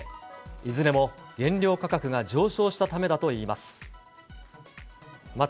いずれも原料価格が上昇したためだといいます。